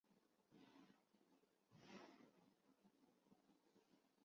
他的三摩地圣陵持续吸引全世界各地的信众前来朝圣。